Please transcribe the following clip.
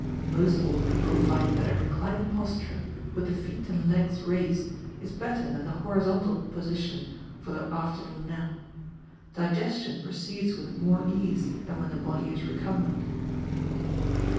Most old people find that a reclining posture, with the feet and legs raised, is better than the horizontal position for the afternoon nap. Digestion proceeds with more ease than when the body is recumbent.